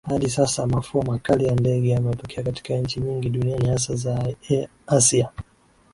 Hadi sasa mafua makali ya ndege yametokea katika nchi nyingi duniani hasa za Asia